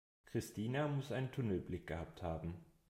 Christina muss einen Tunnelblick gehabt haben.